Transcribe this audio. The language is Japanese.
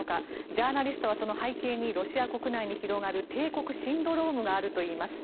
ジャーナリストはその背景にロシア国内に広がる帝国シンドロームがあるといいます。